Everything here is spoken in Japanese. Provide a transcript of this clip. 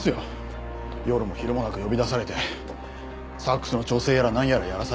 夜も昼もなく呼び出されてサックスの調整やらなんやらやらされて。